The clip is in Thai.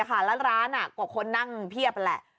แล้วร้านกว่าคนนั่งเพียบแหละ